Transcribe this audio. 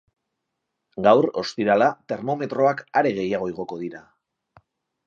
Gaur, ostirala, termometroak are gehiago igoko dira.